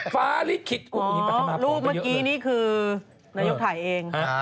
ฟาริขิตโอ้โฮนี่ปัฒนาพร้อมไปเยอะอ๋อรูปเมื่อกี้นี่คือนายกถ่ายเอง